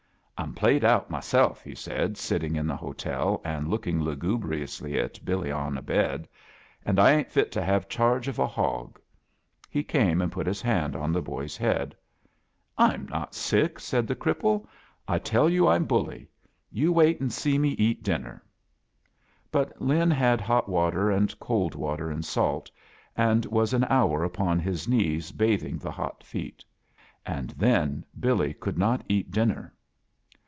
"I'm played out myself," he said, sitting in the hotel and lookios lusubriousfy at Billy on a bed. "And I ain't fit to have chai^ of a hog." He came and put his hand on the boy's head. "I'm not aicfc," said the cripple. "I tell you I'm buUy. You wait an' see me eat dinner." But Lin had hot water and cold water and salt, and was an hour upon his knees battling the hot feet. And then Billy could not eat dinner.